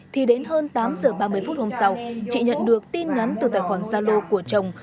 thì đến hơn tám h ba mươi phút hôm sau chị nhận được tin ngắn từ tài khoản xa lô của chồng